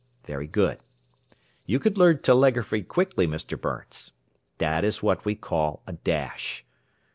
Very good. You would learn telegraphy quickly, Mr. Burns. That is what we call a 'dash.'"